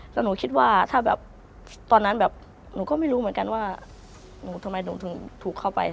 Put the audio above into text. แล้วหนูคิดว่าถ้าแบบตอนนั้นแบบหนูก็ไม่รู้เหมือนกันว่าหนูทำไมหนูถึงถูกเข้าไป